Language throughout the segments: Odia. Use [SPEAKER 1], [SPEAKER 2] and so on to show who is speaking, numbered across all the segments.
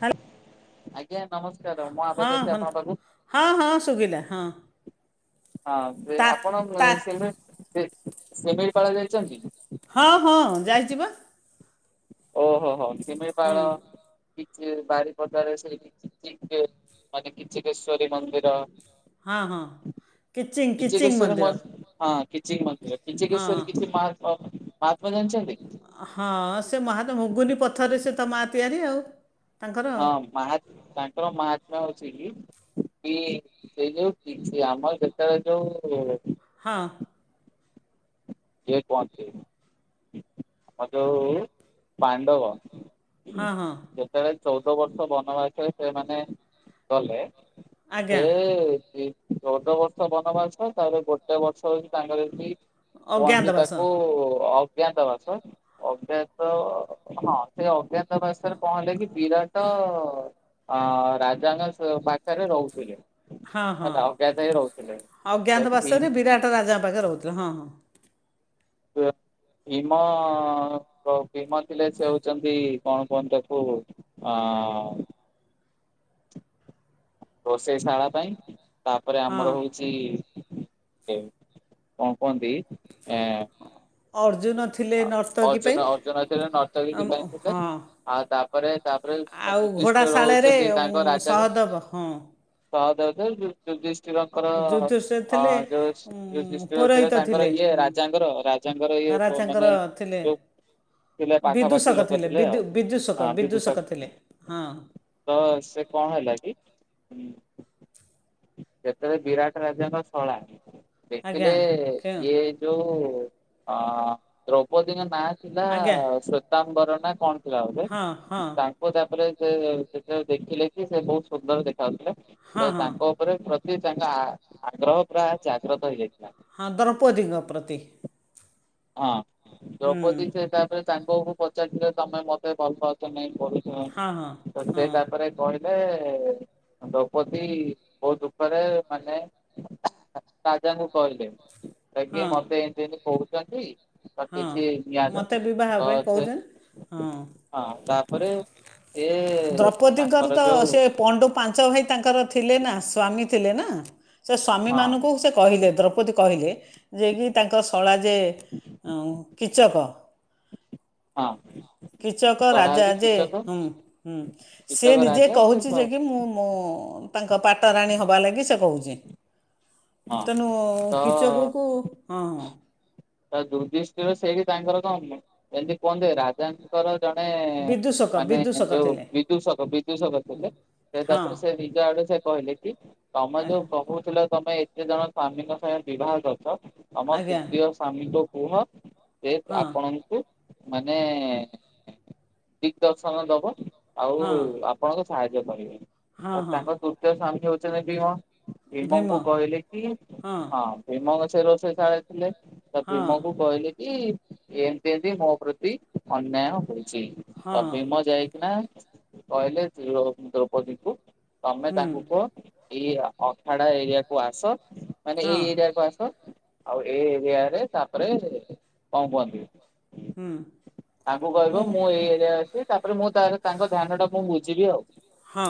[SPEAKER 1] ହାଲ୍
[SPEAKER 2] ଆଜ୍ଞା ନମସ୍କାର ମୁଁ ଆବେଦ ଅଛି ଆପଣ ପାଖକୁ।
[SPEAKER 1] ହଁ ହଁ ଶୁଭିଲା ହଁ
[SPEAKER 2] ହଁ
[SPEAKER 1] ତା
[SPEAKER 2] ଆପଣ
[SPEAKER 1] ତା
[SPEAKER 2] ୱେ ଶିମିଳି ଶିମିଳିପାଳ ଯାଇଛନ୍ତି?
[SPEAKER 1] ହଁ ହଁ ଯାଇଚିବା।
[SPEAKER 2] ଓହୋ ହୋ
[SPEAKER 1] ହଁ
[SPEAKER 2] ଶିମିଳିପାଳ। କିଛି ବାରିପଦାରେ ସେଇଠି କିଛି ମାନେ କିଛିକେଶ୍ବରୀ ମନ୍ଦିର।
[SPEAKER 1] ହଁ ହଁ କିଚିଙ୍ଗ କିଚିଙ୍ଗ୍
[SPEAKER 2] କିଚକେଶ୍ଵରୀ ମ
[SPEAKER 1] ମନ୍ଦିର।
[SPEAKER 2] ହଁ କିଚିଙ୍ଗ ମନ୍ଦିର
[SPEAKER 1] ହଁ
[SPEAKER 2] କିଛିକେଶ୍ବରୀ ମହା ମହାତ୍ମା ଜାଣିଛନ୍ତି?
[SPEAKER 1] ହଁ ସେ ମହାନ ମୁଗୁନି ପଥରରେ ସେ ତ ମା ତିଆରି ଆଉ। ତାଙ୍କର ଆଉ
[SPEAKER 2] ହଁ ମହା ତାଙ୍କର ମହାତ୍ମା୍ୟା ଅଉଛି କି? କି ସେଇ ଯୋଉ କିଛି ଆମର ଯେତେବେ ଯୋଉ।
[SPEAKER 1] ହଁ
[SPEAKER 2] ଯଏ ପହିବ ଆମର ଯୋଉ ପାଣ୍ଡବ,
[SPEAKER 1] ହଁ ହଁ
[SPEAKER 2] ଯେତେବେଳେ ଚଉଦ ବର୍ଷ ବନବାସରେ ସେମାନେ ଗଲେ।
[SPEAKER 1] ଆଜ୍ଞା
[SPEAKER 2] ସେ ଚଉଦ ବର୍ଷ ବନବାସ ତାପରେ ଗୋଟେ ବର୍ଷ ହେଉଛି ତାଙ୍କର ଏତି କୁହନ୍ତି
[SPEAKER 1] ଅଜ୍ଞାତବାସ
[SPEAKER 2] ତାକୁ ଆଉ। ଅଜ୍ଞତା ବାଷ ଅଜ୍ଞାତ ହଁ ସେ ଅଜ୍ଞତା ବାସରେ କହଲେ କି ବିରାଟ ଅ ରାଜାଙ୍କ ପାଖରେ ରହୁଥିଲେ।
[SPEAKER 1] ହଁ ହଁ
[SPEAKER 2] ଆ ଅଜ୍ଞାତ ହିଁ ରହୁଥିଲେ।
[SPEAKER 1] ପ୍ରକାର ହଉଥିଲା ହଁ ହଁ।
[SPEAKER 2] ହଁ [inaudible] ଭୀମ ଭୀମ ଥିଲେ ସେ ହଉଛନ୍ତି କଣ କୁହନ ତାକୁ ହ [inaudible] ରୋଷେଇ ଶାଳା ପାଇଁ ତାପରେ
[SPEAKER 1] ହଁ
[SPEAKER 2] ଆମର ହଉଛି। ସେ କଣ କୁହନ୍ତି ଏ।
[SPEAKER 1] ଅର୍ଜୁନ [unintelligible] ନର୍ତ୍ତକୀ ପାଇଁ
[SPEAKER 2] ଅର୍ଜୁନା ଅର୍ଜୁନା [unintelligible]
[SPEAKER 1] ଅମ-
[SPEAKER 2] ନର୍ଥଣିଥିଲେ
[SPEAKER 1] ହଁ
[SPEAKER 2] ଆଉ ତାପରେ ତାପରେ
[SPEAKER 1] ଆଉ
[SPEAKER 2] ଯୁଧିଷ୍ଠିର
[SPEAKER 1] ଘୋଡ଼ାଶାଳରେ
[SPEAKER 2] ହଉଛନ୍ତି ତାଙ୍କ
[SPEAKER 1] ଉଁ,
[SPEAKER 2] ରାଜା।
[SPEAKER 1] ସହଦେବ ହଁ
[SPEAKER 2] ସା [unintelligible] ଷ୍ଟିର ଙ୍କର
[SPEAKER 1] ଯୁଧିଷ୍ଠିର
[SPEAKER 2] ଅନ
[SPEAKER 1] ଥିଲେ
[SPEAKER 2] ଯୋଉ
[SPEAKER 1] ଉଁ,
[SPEAKER 2] ଯୁଧିଷ୍ଟିର ଥିଲା
[SPEAKER 1] ପୌରୋହିତ
[SPEAKER 2] ତାଙ୍କର ଇଏ ରାଜାଙ୍କର ରାଜାଙ୍କର ଇଏ
[SPEAKER 1] ତାଙ୍କର
[SPEAKER 2] ମାନେ
[SPEAKER 1] ଥିଲେ,
[SPEAKER 2] ଯୋଉ ଥିଲେ ପାଖାପାଖି
[SPEAKER 1] ବିଦୁଷକ
[SPEAKER 2] ଲୋକ
[SPEAKER 1] ଥିଲେ
[SPEAKER 2] ଆଉ।
[SPEAKER 1] ବିଦୁ ବିଦୁଷକ
[SPEAKER 2] ହଁ ବିଦୁସାର
[SPEAKER 1] ବିଦୁଷକ ଥିଲେ ହଁ।
[SPEAKER 2] ତ ସେ କଣ ହେଲା କି ହଁ? ଯେତେବେଳେ ବିରାଟ ରାଜାଙ୍କ ଶଳା,
[SPEAKER 1] ଆଜ୍ଞା
[SPEAKER 2] ଦେଖିଲେ
[SPEAKER 1] କେଉଁ
[SPEAKER 2] ଇଏ ଯୋଉ ଅ ଦ୍ରୌପଦୀ ଙ୍କ ନାଁ ଥିଲା
[SPEAKER 1] ଆଜ୍ଞା
[SPEAKER 2] ଶ୍ଵେତାମ୍ବର ନା କଣ ଥିଲା ବୋଧେ
[SPEAKER 1] ହଁ ହଁ
[SPEAKER 2] ତା। ତାପରେ ସେ ଯେତେବେଳେ ଦେଖିଲେ କି ସେ ବହୁତ ସୁନ୍ଦର ଦେଖାଯାଉଥିଲେ
[SPEAKER 1] ହଁ
[SPEAKER 2] ତ
[SPEAKER 1] ହଁ
[SPEAKER 2] ତାଙ୍କ ରେ ପ୍ରତି ତାଙ୍କ ଆ ଆଗ୍ରହ ପୁରା ଜାଗ୍ରତ ହେଇଯାଇଥିଲା।
[SPEAKER 1] ହଁ ଦ୍ରପଦିଙ୍ଗ ପ୍ରତି।
[SPEAKER 2] ହଁ
[SPEAKER 1] ହୁଁ
[SPEAKER 2] ଦ୍ରୌପଦୀ ସେ ତାପରେ ସାଙ୍ଗକୁ ପଚାରିଥିଲେ ତମେ ମତେ ଭଲ ପାଉଛ ନାଇଁ କହି। ହଁ ତ ସେ ତାପରେ କହିଲେ। ଦୌପଦୀ ବହୁତୁ ଉପରେ ମାନେ, ରାଜାଙ୍କୁ କହିଲେ ଆଜ୍ଞେ
[SPEAKER 1] ହଁ
[SPEAKER 2] ମତେ ଏମିତି ଏମତି କହୁଛନ୍ତି। ତ
[SPEAKER 1] ହଁ
[SPEAKER 2] କିଛି ନିଆଯାଉ
[SPEAKER 1] ମୋତେ ବିବାହ
[SPEAKER 2] ତ
[SPEAKER 1] ପାଇଁ
[SPEAKER 2] ଅଛ
[SPEAKER 1] କହୁଛନ୍ତି ହଁ
[SPEAKER 2] [inaudible] ହଁ ତାପରେ ଏ
[SPEAKER 1] ଦ୍ରୌପଦୀଙ୍କର ତ
[SPEAKER 2] ତାଙ୍କର ଯୋଉ
[SPEAKER 1] ସେ ପଣ୍ଡୁ ପାଞ୍ଚ ଭାଇ ତାଙ୍କର ଥିଲେ ନା ସ୍ଵାମୀ ଥିଲେ ନା। ସେ
[SPEAKER 2] ହଁ
[SPEAKER 1] ସ୍ୱାମୀମାନଙ୍କୁ ସେ କହିଲେ ଦ୍ରୌପଦୀ କହିଲେ ଯେ କି ତାଙ୍କ ଶଳା ଯେ କିଚକ।
[SPEAKER 2] ହଁ।
[SPEAKER 1] କିଚକ
[SPEAKER 2] ତଳା
[SPEAKER 1] ରାଜା
[SPEAKER 2] ହଉଛି
[SPEAKER 1] ଯେ
[SPEAKER 2] କିଚକ
[SPEAKER 1] ହୁଁ ହୁଁ। ସିଏ
[SPEAKER 2] କୀଚକ
[SPEAKER 1] ନିଜେ
[SPEAKER 2] ରାଜା ସେ ସ
[SPEAKER 1] କହୁଛି ଯେ କି ମୁଁ ମୋ ତାଙ୍କ ପାଟରାଣୀ ହବା ଲାଗି ସେ କହୁଛି।
[SPEAKER 2] ହଁ
[SPEAKER 1] ତେଣୁ
[SPEAKER 2] ତ
[SPEAKER 1] କିଚକକୁ ହଁ ହଁ।
[SPEAKER 2] ତ ଦୁଦିଷ୍ଟ୍ରିର ର ସେଇଠି ତାଙ୍କର କ ଏମିତି କୁହନ୍ତି ରାଜା ଙ୍କର ଜଣେ
[SPEAKER 1] ବିଦୂଷକ
[SPEAKER 2] ମାନେ
[SPEAKER 1] ବିଦୂଷକ
[SPEAKER 2] ଯୋଉ
[SPEAKER 1] ଥିଲେ
[SPEAKER 2] ବିଦୁଷକ ବିଦୁଷକ ଥିଲେ। ସେ
[SPEAKER 1] ହଁ
[SPEAKER 2] ତାପରେ ସେ ନିଜ ଆଡେ ସେ କହିଲେ କି ତମେ
[SPEAKER 1] ଆ-
[SPEAKER 2] ଯୋଉ କହୁଥିଲ। ତମେ ଏତେ ଜଣ ସ୍ଵାମୀଙ୍କ [inaudible] ବିବାହ କରିଛ ତମ
[SPEAKER 1] ଆଜ୍ଞା
[SPEAKER 2] ତୃତୀୟ ସ୍ଵାମୀଙ୍କୁ କୁହ, ସେ
[SPEAKER 1] ହଁ
[SPEAKER 2] ଆପଣଙ୍କୁ ମାନେ ଦିକ୍ ଦର୍ଶନ ଦବ। ଆଉ
[SPEAKER 1] ହଁ
[SPEAKER 2] ଆପଣଙ୍କୁ ସାହାଯ୍ୟ କରିବେ,
[SPEAKER 1] ହଁ
[SPEAKER 2] ତ
[SPEAKER 1] ହଁ
[SPEAKER 2] ତାଙ୍କ ତୃତୀୟ ସ୍ୱାମୀ ହଉଛନ୍ତି ଭୀମ।
[SPEAKER 1] ଭୀମ
[SPEAKER 2] ଭୀମଙ୍କୁ କହିଲେ କି ହଁ ଭୀମ ଗଛ ସେ ରୋଷେଇ ଶାଳ ରେ ଥିଲେ। ତ
[SPEAKER 1] ହଁ
[SPEAKER 2] ଭୀମକୁ କହିଲେ କି ଏମିତି ଏମତି ମୋ ପ୍ରତି ଅନ୍ୟାୟ ହୋଇଛି। ତ
[SPEAKER 1] ହଁ
[SPEAKER 2] ଭୀମ ଯାଇକିନା କହିଲେ ଦୋ ଦ୍ରୌପଦୀ ଙ୍କୁ ତମେ
[SPEAKER 1] ହୁଁ
[SPEAKER 2] ତାଙ୍କୁ କୁହ ଏଇ ଅ ଅଖାଡା ଏରିଆକୁୁ ଆସ। ମାନେ
[SPEAKER 1] ହଁ
[SPEAKER 2] ଏଇ ଏରିଆକୁ ଆସ। ଆଉ ଏଇ ଏରିଆ ରେ ତାପରେ କଣ କୁହନ୍ତି?
[SPEAKER 1] ହୁଁ।
[SPEAKER 2] ତାଙ୍କୁ କହିବ ମୁଁ ଏଇ ଏରିଆ ଅଛି। ତାପରେ ମୁଁ ତାର ତାଙ୍କ ଧ୍ୟାନ ଟା ମୁଁ ବୁଝିବି ଆଉ।
[SPEAKER 1] ହଁ।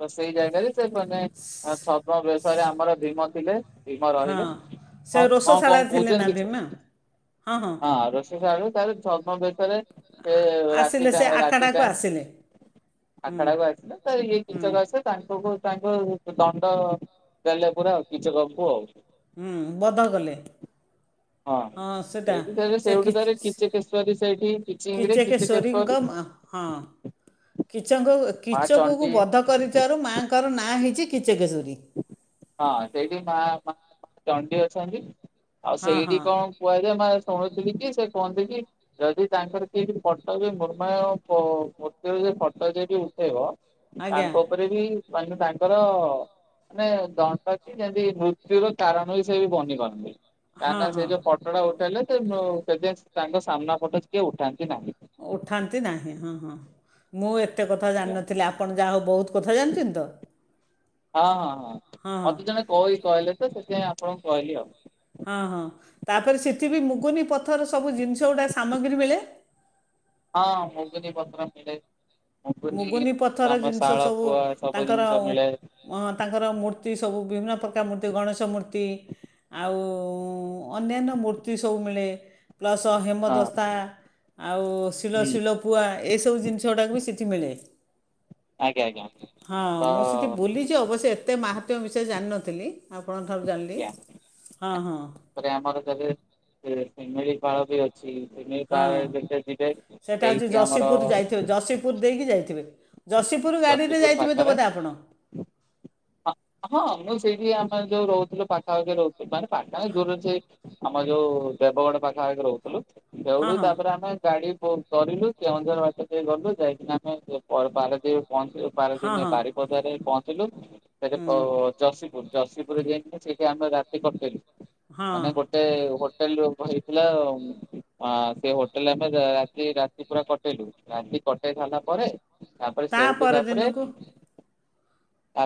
[SPEAKER 2] ତ ସେଇ ଜାଗାରେ ସେ ମାନେ ଆ ଛଦ୍ମ ବେଶରେ ଆମର ଭୀମ ଥିଲେ। ଭୀମ
[SPEAKER 1] ହଁ
[SPEAKER 2] ରହିଲେ।
[SPEAKER 1] ସେ
[SPEAKER 2] ହଁ କଣ କଣ
[SPEAKER 1] ରୋଷଶାଳା ଥିଲେ
[SPEAKER 2] କହୁଛନ୍ତି
[SPEAKER 1] ନା
[SPEAKER 2] କିଛି?
[SPEAKER 1] ଭୀମା
[SPEAKER 2] ହଁ ଆ ର ସେଠାରୁ ତାପରେ ଛଦ୍ମ ଭେଶରେ ସେ ରାତି
[SPEAKER 1] ଆସିଲେ
[SPEAKER 2] ଟା
[SPEAKER 1] ସେ
[SPEAKER 2] ରାତି
[SPEAKER 1] ଆଖଡ଼ାକୁ
[SPEAKER 2] ଟାଇମ୍
[SPEAKER 1] ଆସିଲେ ହୁଁ
[SPEAKER 2] ଆଖଡାକୁ ଆସିଲା ତ ଇଏ କିଚକ ଆସେ ତାଙ୍କ କୁ ତାଙ୍କୁ ଦଣ୍ଡ ଦେଲେ ପୁରା ଆଉ କିଚକକୁ ଆଉ।
[SPEAKER 1] ହୁଁ ବଧ କଲେ। ହଁ ସେଟା
[SPEAKER 2] ସେଇଠି ତାରେ
[SPEAKER 1] ସେ
[SPEAKER 2] ସେଇଠୁ
[SPEAKER 1] କିଚ
[SPEAKER 2] ତାରେ କିଚକେଶ୍ଵରୀ ସେଇଠି
[SPEAKER 1] ସ୍
[SPEAKER 2] କିଚିଙ୍ଗରେ
[SPEAKER 1] କିଚେକେଶ୍ୱରୀ
[SPEAKER 2] କିଚକେଶ୍ଵରୀ
[SPEAKER 1] ଙ୍କ ଆଁ ହଁ। କିଚକଙ୍କୁ
[SPEAKER 2] ମା
[SPEAKER 1] କିଚକକୁ
[SPEAKER 2] ଚଣ୍ଡୀ
[SPEAKER 1] ବଧ କରିଥିବାରୁ ମାଆଙ୍କର ନାଁ ହେଇଛି କିଚକେଶ୍ୱରୀ।
[SPEAKER 2] ହଁ ସେଇଠି ମା ମା ଚଣ୍ଡୀ ଅଛନ୍ତି। ଆଉ
[SPEAKER 1] ହଁ
[SPEAKER 2] ସେଇଠି
[SPEAKER 1] ହଁ
[SPEAKER 2] କଣ? କୁହାଯାଏ ମା ଶୁଣୁଥିଲି କି ସେ କୁହନ୍ତି କି ଯଦି ତାଙ୍କର କିଏ କିଛି ଫଟୋ ବି ମୁର୍ମୟ ପ ମୂର୍ତ୍ତି ର ଯ ଫଟୋ ଯଦି ଉଠେଇବ
[SPEAKER 1] ଆଜ୍ଞା
[SPEAKER 2] ତାଙ୍କ ଉପରେ ବି ମାନେ ତାଙ୍କର ମାନେ ଦଣ୍ଡ କି ଯେମିତି ମୃତ୍ୟୁର ତାରଣ ବି ସେ ବି ବନି କରନ୍ତି।
[SPEAKER 1] ହଁ
[SPEAKER 2] ତାଣ୍ଡା ସେ
[SPEAKER 1] ହଁ
[SPEAKER 2] ଯୋଉ ପ ଟୋ ଟା ଉଠାଇଲେ ତେ ବ [unintelligible] ତାଙ୍କ ସାମ୍ନା ପଟ କିଏ ଉଠାନ୍ତି ନାହିଁ।
[SPEAKER 1] ଉଠାନ୍ତି ନାହିଁ ହଁ ହଁ। ମୁଁ ଏତେ କଥା
[SPEAKER 2] ଆଜ୍ଞା
[SPEAKER 1] ଜାଣିନଥିଲି ଆପଣ ଯାହା ହଉ ବହୁତ କଥା ଜାଣିଛନ୍ତି ତ।
[SPEAKER 2] ହଁ ହଁ ହଁ। ମତେ ଜଣେ କଇ କହିଲେ ତ ସେଥିପାଇଁ ଆପଣଙ୍କୁ କହିଲି ଆଉ।
[SPEAKER 1] ହଁ ହଁ। ତାପରେ ସେଠି ବି ମୁଗୁନି ପଥର ସବୁ ଜିନିଷ ଗୁଡା ସାମଗ୍ରୀ ମିଳେ।
[SPEAKER 2] ହଁ ମୁଗୁନି ପଥର ମିିଳେ।
[SPEAKER 1] ମୁଗୁନି ପଥର ଜିନିଷ ସବୁ
[SPEAKER 2] ପୁଆ ସବୁ
[SPEAKER 1] ତାଙ୍କର ୱା
[SPEAKER 2] ଜିନିଷ
[SPEAKER 1] ହଁ
[SPEAKER 2] ମିଳେ
[SPEAKER 1] ତାଙ୍କର ମୂର୍ତ୍ତି ସବୁ ବିଭିନ୍ନ ପ୍ରକାର ମୂର୍ତ୍ତି, ଗଣେଶ ମୂର୍ତ୍ତି ଆଉ ଅନ୍ୟାନ୍ୟ ମୂର୍ତ୍ତି ସବୁ ମିଳେ ପ୍ଲସ୍
[SPEAKER 2] ହଁ
[SPEAKER 1] ହେମଦସ୍ତା ଆଉ
[SPEAKER 2] ହୁଁ
[SPEAKER 1] ଶିଳଶିଳ। ପୂଆ, ଏସବୁ ଜିନିଷ ଗୁଡାକ ବି ସେଠି ମିଳେ।
[SPEAKER 2] ଆଜ୍ଞା ଆଜ୍ଞା ତ
[SPEAKER 1] ହଁ ମୁଁ ସେଠି ବୁଲି
[SPEAKER 2] ଆଜ୍ଞା।
[SPEAKER 1] ଛି ଅବଶ୍ୟ ଏତେ ମାହାତ୍ମ୍ୟ ବିଷୟ ଜାଣିନଥିଲି। ଆପଣଙ୍କ ଠାରୁ ଜାଣିଲି। ହଁ ହଁ।
[SPEAKER 2] ତାପରେ ଆମର ସେଠି ସେ ଶିମିଳିପାଳ ବି ଅ ଛି। ଶିମିଳିପାଳ
[SPEAKER 1] ହଁ
[SPEAKER 2] ଯେବେ ଯିବେ ସେଇଠି ଆମର
[SPEAKER 1] ଯସିପୁର ଦେଇକି ଯାଇଥିବେ। ଯସିପୁର ଗାଡ଼ିରେ
[SPEAKER 2] ଯଶୀପୁର
[SPEAKER 1] ଯାଇଥିବେ ତ
[SPEAKER 2] ପାଖରେ
[SPEAKER 1] ବୋଧେ ଆପଣ?
[SPEAKER 2] ହଁ ହଁ ମୁଁ ସେଇଠି ଆମର ଯୋଉ ରହୁଥିଲୁ ପାଖା ପାଖି ରହୁଥିଲି ମାନେ ପାଖା ଦୂର ଅଛି। ଆମର ଯୋଉ ଦେବଗଡ ପାଖାପାଖି ରହୁଥିଲୁ।
[SPEAKER 1] ହଁ
[SPEAKER 2] ସେଇଠୁ
[SPEAKER 1] ହଁ
[SPEAKER 2] ତାପରେ ଆମେ ଗାଡି ବୁକ କରିଲୁ କେଉଁଝର ବାଟ ଦେଇ ଗଲୁ। ଯାଇକିନା [unintelligible] ପର ପାରାଦ୍ୱୀପ ପହଞ୍ଚିଲୁ ପାରଦୀପ
[SPEAKER 1] ହଁ
[SPEAKER 2] ନେ
[SPEAKER 1] ହଁ
[SPEAKER 2] ବାରି ପଦାରେ ପହଞ୍ଚିଲୁ ସେଠି
[SPEAKER 1] ହୁଁ
[SPEAKER 2] ଅ ଯଶୀପୁର, ଯଶିପୁରରେ ଯାଇକି ସେଇଠି ଆମେ ରା ତି କଟେଇଲୁ।
[SPEAKER 1] ହଁ
[SPEAKER 2] ମାନେ ଗୋଟେ ହୋଟେଲ କୁହା ହେଇଥିଲା ଉମ ଆ ସେ ହୋଟେଲରେ ଆମେ ରାତି-ରାତି ପୁରା କଟେଇଲୁ। ରାତି କଟେଇ ସାରିଲା ପରେ ତାପରେ
[SPEAKER 1] ତା
[SPEAKER 2] ସେଉଠୁ ତାପରେ
[SPEAKER 1] ପରଦିନକୁ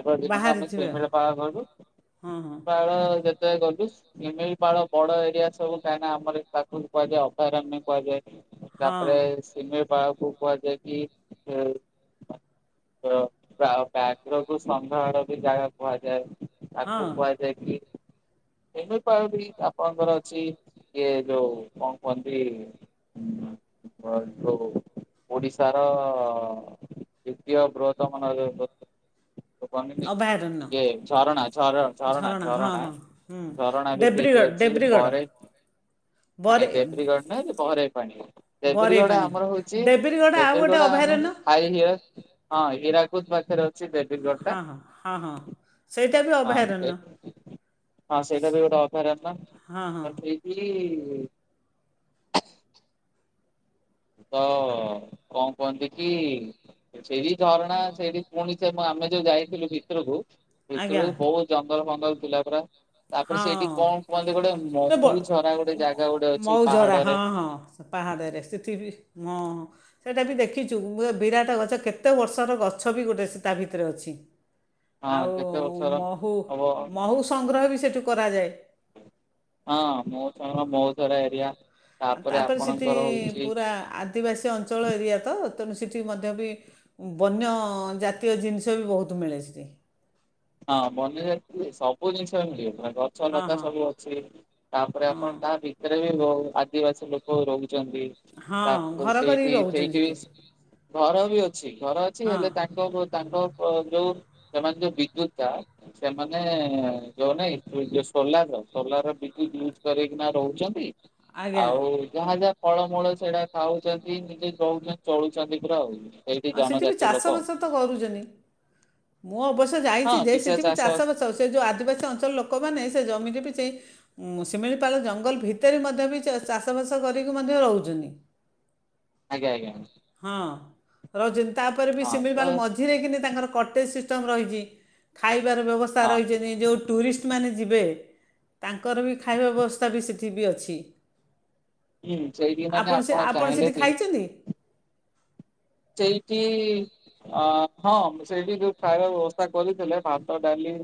[SPEAKER 2] ପରଦିନକୁ ଆମେ
[SPEAKER 1] ବାହାରିଥିବେ
[SPEAKER 2] ଶିମିଳିପାଳ ଗଲୁ,
[SPEAKER 1] ଆଉ ହଁ
[SPEAKER 2] ପାଳ ଯେତେବେଳେ ଗଲୁ ସ ଶିମିଳିପାଳ ବଡ ଏରିଆ ସବୁ କାହିଁନା ଆମର ଏଠି ତାକୁ କୁହାଯାଏ ଅଭୟାରଣ୍ୟ କୁହାଯାଏ।
[SPEAKER 1] ହଁ ହଁ
[SPEAKER 2] ତାପରେ ଶିମିଳିପାଳକୁ କୁହାଯାଏ କି ଏ ତ ପ୍ରାୟ ବ୍ୟାଘ୍ର କୁ ସଂଘ୍ରାଳୟ ବି ଜାଗା କୁହାଯାଏ। ତାକୁ
[SPEAKER 1] ହଁ
[SPEAKER 2] କୁହା ଯାଇକି। ଏହି ଉପାୟ ବି ଆପଣଙ୍କର ଅଛି ଇଏ ଯୋଉ କଣ କୁହନ୍ତି। ଉଁ ହଁ ଯୋଉ ଓଡିଶାର। ଦ୍ୱିତୀୟ ବୃହତମ ନ [unintelligible] ବନିନି
[SPEAKER 1] ଅଭୟାରଣ୍ୟ
[SPEAKER 2] ଏ ଝରଣା ଝର ଝରଣା
[SPEAKER 1] ହଁ
[SPEAKER 2] ଝରଣା
[SPEAKER 1] ହଁ ହୁଁ
[SPEAKER 2] ଝରଣା ବି ସେଇଠି
[SPEAKER 1] ଡେବ୍ରିଗଡ଼
[SPEAKER 2] ଅଛି। ଚିଲ
[SPEAKER 1] ଡେବ୍ରିଗଡ଼
[SPEAKER 2] ବରେ। ନାଇଁ
[SPEAKER 1] ବରେ
[SPEAKER 2] ଦେବ୍ରୀଗଡ ନୁହେଁ ବହରାଇ ପାଣି
[SPEAKER 1] ବରେଇ
[SPEAKER 2] ଦେବ୍ର୍ରୀଗଡ
[SPEAKER 1] ପାଣି
[SPEAKER 2] ଆମର ହଉଛି।
[SPEAKER 1] ଡେବ୍ରିଗଡ଼ ଆଉ ଗୋଟେ
[SPEAKER 2] ଦେବ୍ରିଗଡ ଆମର
[SPEAKER 1] ଅଭୟାରଣ୍ୟ
[SPEAKER 2] ହାଇଅ ହଁ ହଇରାକୁଦ ପାଖରେ ଅଛି ଦେବ୍ରିଗଡ। ଟା
[SPEAKER 1] ହଁ ହଁ ହଁ ହଁ ସେଇଟା ବି
[SPEAKER 2] ହଁ ସେ
[SPEAKER 1] ଅଭୟାରଣ୍ୟ।
[SPEAKER 2] ହଁ ସେଇଟା ବି ଗୋଟେ ଅଭୟାରଣ୍ୟ
[SPEAKER 1] ହଁ ହଁ
[SPEAKER 2] ତ ସେଇଠି। ତ କଣ କୁହନ୍ତି କି। ସେଇଠି ଝରଣା ସେଇଠି ପୁଣି ସେ ଆମେ ଯୋଉ ଯାଇଥିଲୁ ଭିତରକୁ।
[SPEAKER 1] ଆଜ୍ଞା
[SPEAKER 2] ଭିତରୁ ବହୁତ ଜଙ୍ଗଲ ଫଙ୍ଗଲ ଥିଲା ପରା। ତାପରେ
[SPEAKER 1] ହଁ
[SPEAKER 2] ସେଇଠି କଣ କୁହନ୍ତି ଗୋଟେ
[SPEAKER 1] ଏ ବ-
[SPEAKER 2] ମହୁଝରା ଗୋଟେ ଜାଗା ଗୋଟେ ଅଛି
[SPEAKER 1] ମଉଜରା
[SPEAKER 2] ପାହାଡରେ।
[SPEAKER 1] ହଁ ହଁ ପାହାଡ଼ରେ ସେଠି ବି ମ‌। ସେଇଟା ବି ଦେଖିଛୁ ଏ ବିରାଟ ଗଛ କେତେ ବର୍ଷର ଗଛ ବି ଗୋଟେ ସେ ତା ଭିତରେ ଅଛି।
[SPEAKER 2] ହଁ
[SPEAKER 1] ଆଉ
[SPEAKER 2] କେତେ ବର୍ଷର
[SPEAKER 1] ମହୁ
[SPEAKER 2] ହବ
[SPEAKER 1] ମହୁ ସଂଗ୍ରହ ବି ସେଠୁ କରାଯାଏ।
[SPEAKER 2] ହଁ ମହୁ ସଂଗ୍ରହ ମହୁ ଧରା ଏରିଆ ତାପରେ ଆପଣଙ୍କର ହଉଛି।
[SPEAKER 1] କା ଆ ଆଦିବାସୀ ଅଞ୍ଚଳ ଏରିଆ ତ ତେଣୁ ସେଠି ମଧ୍ୟ ବି। ବନ୍ୟ ଜାତୀୟ ଜିନିଷ ବି ବହୁତ ମିଳେ ସେଠି।
[SPEAKER 2] ହଁ ବନ୍ୟ ଜାତିଅ ସବୁ ଜିନିଷ ମିଳିବ।
[SPEAKER 1] ହଁ
[SPEAKER 2] ଗଛଲତା
[SPEAKER 1] ହଁ
[SPEAKER 2] ସବୁ ଅଛି ତାପରେ
[SPEAKER 1] ହଁ
[SPEAKER 2] ଆପଣ ତା ଭିତରେ ବି ବହୁ ଆଦିବାସୀ ଲୋକ। ଲୋକ ରହୁଛନ୍ତି
[SPEAKER 1] ହଁ
[SPEAKER 2] ତାପ
[SPEAKER 1] ଘର କରିକି
[SPEAKER 2] ସେଇଠି
[SPEAKER 1] ରହୁଛନ୍ତି
[SPEAKER 2] ସେଇଠି ବି।
[SPEAKER 1] ସେଠି
[SPEAKER 2] ଘର ବି ଅଛି ଘର ଅଛି
[SPEAKER 1] ହଁ
[SPEAKER 2] ହେଲେ ତାଙ୍କ ତାଙ୍କ ଯୋଉ ସେମାନେ ଯୋଉ ବିଦ୍ୟୁତ। ତା। ସେମାନେ ଯୋଉ ନାଇଁ ଯୋଉ ସୋଲାର ସୋଲାର ବିଦ୍ୟୁତ ୟୁଜ କରକିନା ରହୁଛନ୍ତି।
[SPEAKER 1] ଆଜ୍ଞା
[SPEAKER 2] ଆଉ। ଯାହା ଯାହା ଫଳମୂଳ ସେଇଟା ଖାଉଛନ୍ତି ନିଜେ ଦଉଛନ୍ତି ଚଳୁଛନ୍ତି ପୁରା ଆଉ। ସେଇଠି
[SPEAKER 1] ହଁ ସେଠି ବି
[SPEAKER 2] ଜନଜାତି ଲୋକ।
[SPEAKER 1] ଚାଷବାସ ତ କରୁଛନ୍ତି ମୁ ଅବଶ୍ୟ
[SPEAKER 2] ହଁ
[SPEAKER 1] ଯାଇଛି ଯେ
[SPEAKER 2] କିଛିଟା
[SPEAKER 1] ସେଠିବି
[SPEAKER 2] ଚାଷ ଅଛି
[SPEAKER 1] ଚାଷବାସ। ସେ ଯୋଉ ଆଦିବାସୀ ଅଞ୍ଚଳ ଲୋକମାନେ ସେ ଜମି କି ବି ସେଇ। ସିମିଳିପାଳ ଜଙ୍ଗଲ ଭିତରେ ମଧ୍ୟ ବି ଚାଷବାସ କରିକି ମଧ୍ୟ ରହୁଛନ୍ତି।
[SPEAKER 2] ଆଜ୍ଞା ଆଜ୍ଞା।
[SPEAKER 1] ହଁ। ରହିଛନ୍ତି ତାପରେ ବି
[SPEAKER 2] ହଁ ତ
[SPEAKER 1] ଶିମିଳିପାଳ ମଝିରେ କିିନି ତାଙ୍କର କଟେଜ ସିଷ୍ଟମ୍ ରହିଛି। ଖାଇବାର ବ୍ୟବସ୍ଥା।
[SPEAKER 2] ହଁ
[SPEAKER 1] ରହିଛନି ଯୋଉ ଟୁରିଷ୍ଟ। ମାନ ଯିବେ ତାଙ୍କର ବି ଖାଇବା ବ୍ୟବସ୍ଥା ବି ସେଠି ବି ଅଛି।
[SPEAKER 2] ହୁଁ ସେଇଠି ମାନେ
[SPEAKER 1] ଆପଣ ସେ ଆପଣ
[SPEAKER 2] ଚାହିଁଲେ
[SPEAKER 1] ସେଠି
[SPEAKER 2] ବି
[SPEAKER 1] ଖାଇଛନ୍ତି।
[SPEAKER 2] ସେଇଠି। ଆଁ। ହଁ ସେଇଠି ଯୋଉ ଖାଇବା ବ୍ୟବସ୍ଥା କରିଥିଲେ ଭାତ ଡାଲି।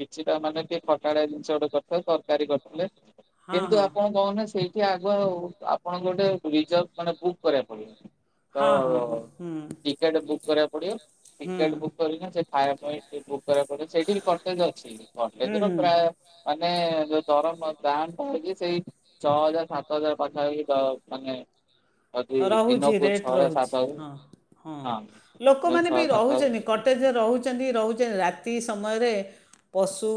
[SPEAKER 2] କିଛିଟା ମାନେ ଟିକେ ଖଟାଳିଆ ଜିନିଷ ଗୋଟେ କରିଥିଲେ ତରକାରୀ କରିଥିଲେ।
[SPEAKER 1] ହଁ
[SPEAKER 2] କିନ୍ତୁ
[SPEAKER 1] ହଁ
[SPEAKER 2] ଆପଣ କହୁନ ସେଇଠି ଆଗୁଆ ଆପଣଙ୍କୁ ଗୋଟେ ରିଜର୍ଭ ମାନେ ବୁକ୍ କରିବାକୁ ପଡିବ।
[SPEAKER 1] ହଁ ହଁ ହଁ
[SPEAKER 2] ତ
[SPEAKER 1] ହୁଁ
[SPEAKER 2] ଟିକେଟ ବୁକ୍ କରିବାକୁ ପଡିବ
[SPEAKER 1] ହୁଁ
[SPEAKER 2] ଟିକେଟ ବୁକ କରିକିନା ସେ। ଖାଇବା ପାଇଁ ଟିକ ବୁକ୍ କରିବକୁ ପଡିବ ସେଇଠି ବି କଟେଜ ଅଛି କଟେଜ
[SPEAKER 1] ହୁଁ
[SPEAKER 2] ର
[SPEAKER 1] ହୁଁ
[SPEAKER 2] ପ୍ରାୟ। ମାନେ ଯୋଉ ଦରମ ଦାମ ଟା ହେଇକି ସେଇ। ଛଅ ହଜାର ସାତ ହଜାର ପଖା ପାଖି ଦ ମାନେ। ଅଧି
[SPEAKER 1] ରହୁଛି
[SPEAKER 2] ଦିନକୁ
[SPEAKER 1] ରେଟ୍
[SPEAKER 2] ଛଅ ହଜାର
[SPEAKER 1] ରହୁଛି
[SPEAKER 2] ସାତ ହଜାର।
[SPEAKER 1] ହଁ ହଁ
[SPEAKER 2] ଯୋଉ
[SPEAKER 1] ଲୋକମାନେ
[SPEAKER 2] ଛଅ
[SPEAKER 1] ବି
[SPEAKER 2] ସାତ
[SPEAKER 1] ରହୁଛନ୍ତି କଟେଜରେ ରହୁଛନ୍ତି ରହୁଛ ରାତି ସମୟରେ। ପଶୁ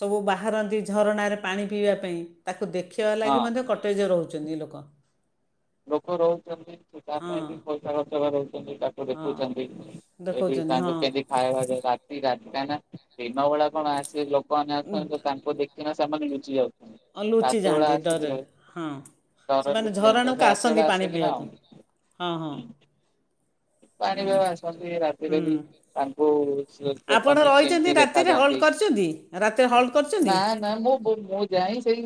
[SPEAKER 1] ସବୁ ବାହାରନ୍ତି ଝରଣାରେ ପାଣି ପିଇବା ପାଇଁ। ତାକୁ ଦେଖିବା ଲାଗି
[SPEAKER 2] ହଁ
[SPEAKER 1] ମାନେ କଟେଜ ରହୁଚନ୍ତି ଲୋକ।
[SPEAKER 2] ଲୋକ ରହୁଛନ୍ତି ସେ ତା
[SPEAKER 1] ହଁ
[SPEAKER 2] ପାଇଁ ବି ପଇସା ଖର୍ଚ୍ଚ କରେଇଚନ୍ତି ଡା
[SPEAKER 1] ହଁ
[SPEAKER 2] ଦେଖୁଛନ୍ତି ଏଠି
[SPEAKER 1] ଦେଖଉଛନ୍ତି
[SPEAKER 2] ତାଙ୍କ
[SPEAKER 1] ହଁ
[SPEAKER 2] କେନ୍ତି ଖାଇବାଟା ରାତି ରାତି କାହିଁକି ନା ଦିନ ବେଳା କଣ ଆସି ଲୋକମାନେ ଅସୁଚନ୍ତି ତ ତାଙ୍କୁ ଦେଖି କିନା ସେମାନେ ଲୁଚି ଯାଉଛନ୍ତି
[SPEAKER 1] ଆଉ ଲୁଚି
[SPEAKER 2] ରାତିବେେଳା
[SPEAKER 1] ଯାଆନ୍ତି ଡରରେ
[SPEAKER 2] ଆସୁଥିବେ
[SPEAKER 1] ହଁ
[SPEAKER 2] ଡର
[SPEAKER 1] ସେମାନେ
[SPEAKER 2] ଲୁଚିଯାନ୍ତି।
[SPEAKER 1] ଝରଣାକୁ ଆସନ୍ତି
[SPEAKER 2] ରାତିବେଳା
[SPEAKER 1] ପାଣି
[SPEAKER 2] ଆସିକିନା
[SPEAKER 1] ପିଇବାକୁ
[SPEAKER 2] ଆଉ
[SPEAKER 1] ହଁ ହଁ
[SPEAKER 2] ପାଣି
[SPEAKER 1] ହୁଁ
[SPEAKER 2] ପାଗ ଆସନ୍ତି ରାତିରେ ବି।
[SPEAKER 1] ହୁଁ
[SPEAKER 2] ତାଙ୍କୁ
[SPEAKER 1] ଆପଣ
[SPEAKER 2] ଦେଖନ୍ତି
[SPEAKER 1] ରହିଛନ୍ତି
[SPEAKER 2] କେମିତି ଦେଖା
[SPEAKER 1] ରାତିରେ ହଲ୍ଟ
[SPEAKER 2] ଯାଆନ୍ତି।
[SPEAKER 1] କରିଛନ୍ତି ରାତିରେ ହଲ୍ଟ
[SPEAKER 2] ନା
[SPEAKER 1] କରିଛନ୍ତି
[SPEAKER 2] ନା ମୁଁ ବୁ ମୁଁ ଯାଇ ସେଇ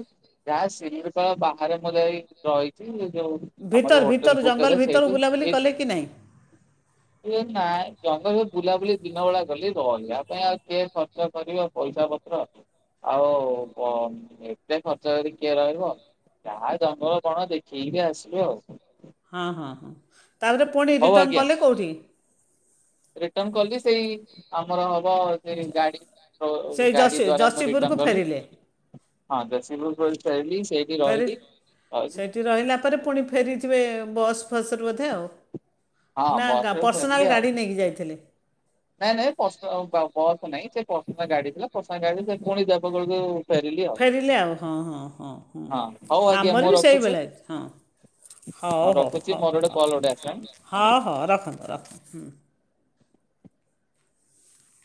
[SPEAKER 2] ଯାହା ସିମିଳିପାଳ ବାହାରେ ମୁ ଯାଇକି ରହିଚି ଏ ଯୋଉ ଆମର
[SPEAKER 1] ଭିତର
[SPEAKER 2] ଯୋଉ
[SPEAKER 1] ଭିତର
[SPEAKER 2] ହୋଟେଲ ବୁକ୍
[SPEAKER 1] ଜଙ୍ଗଲ
[SPEAKER 2] କରେ
[SPEAKER 1] ଭିତରୁ
[SPEAKER 2] ସେଇଠି
[SPEAKER 1] ବୁଲାବୁଲି
[SPEAKER 2] ବିଲ୍‌
[SPEAKER 1] କଲେ କି ନାହିଁ
[SPEAKER 2] ଏ ନାଇଁ ଜଙ୍ଗଲ ସ ବୁଲାବୁଲି ଦିନ ବେଳା କଲି ରହିବା ପାଇଁ ଆଉ କିଏ ଖର୍ଚ୍ଚ କରିବ। ପଇସା ପତ୍ର ଆଉ ପ ଏତେ ଖର୍ଚ୍ଚ କରି କିଏ ରହିବ ଯାହା ଜଙ୍ଗଲ ବଣ ଦେକ୍ ଥିରି ଆସିବି ଆଉ।
[SPEAKER 1] ତାପରେ ପୁଣି ରିଟର୍ଣ୍ଣ କଲେ କଉଠି।
[SPEAKER 2] ରିଟନ୍‌ କରିକି ସେଇ ଆମର ହବ ସେ ଗାଡି ଓ
[SPEAKER 1] ସେଇ
[SPEAKER 2] ଗାଡି
[SPEAKER 1] ଯଶୀ
[SPEAKER 2] ଦ୍ଵାରା ଆମେ ରିଟନ୍‌
[SPEAKER 1] ଯଶୀପୁରକୁ
[SPEAKER 2] କଲି।
[SPEAKER 1] ଫେରିଲେ
[SPEAKER 2] ହଁ [unintelligible] ଚାଲିସ୍‌
[SPEAKER 1] ଫେରି ସେଇଠି ରହିଲା ପରେ ପୁଣି ଫେରିଯିବେ ବସ୍ ଫସ୍ ରୁ ବୋଧେ ଆଉ।
[SPEAKER 2] ହଁ
[SPEAKER 1] ନା ଗା
[SPEAKER 2] ବସରେ
[SPEAKER 1] ପର୍ସନାଲ୍
[SPEAKER 2] ଫେରିଲି ଆଉ।
[SPEAKER 1] ଗାଡ଼ି ନେଇକି ଯାଇଥିଲେ।
[SPEAKER 2] ନାଇଁ ନାଇଁ ପସନାଲ ବା ବସ୍ ନାଇଁ ସେ ପସନାଲ୍‌ ଗାଡି ଥିଲା ପସନାଲ୍ ଗାଡି ସେ ପୁଣି ଦେବଗଡ ରୁ
[SPEAKER 1] ଫେରିଲେ ଆଉ ହଁ ହଁ ହଁ ହଁ
[SPEAKER 2] ହଉ ଆଜ୍ଞା
[SPEAKER 1] ଆମର
[SPEAKER 2] ମୁଁ
[SPEAKER 1] ବି
[SPEAKER 2] ରଖୁଛି
[SPEAKER 1] ସେଇବଲିଆ ହଁ। ହଉ
[SPEAKER 2] ଆଉ
[SPEAKER 1] ହଉ
[SPEAKER 2] ରଖୁଛି ମୋର
[SPEAKER 1] ହଉ
[SPEAKER 2] ଗୋଟେ
[SPEAKER 1] ହଉ
[SPEAKER 2] କଲ୍ ଗୋଟେ ଆସିଲାଣି
[SPEAKER 1] ହଁ
[SPEAKER 2] ଆଜ୍ଞା।
[SPEAKER 1] ହଉ ରଖନ୍ତୁ ରଖନ୍ତୁ ହୁଁ।